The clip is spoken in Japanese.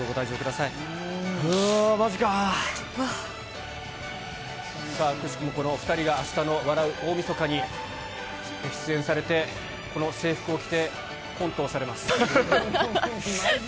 さあ、くしくもこのお２人が、あしたの笑う大晦日にご出演されて、この制服を着て、コントをされます。